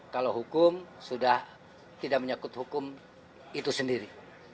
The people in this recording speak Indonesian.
kalau hukum sudah tidak menyakut hukum itu sendiri